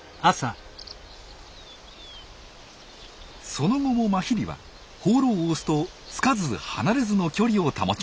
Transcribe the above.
その後もマヒリは放浪オスとつかず離れずの距離を保ちます。